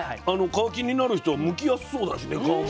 皮気になる人はむきやすそうだしね皮もね。